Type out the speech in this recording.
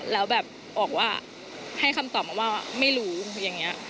แล้วแบบบอกว่าให้คำตอบมาว่าไม่รู้อย่างนี้